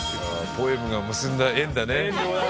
ポエムが結んだ縁だね。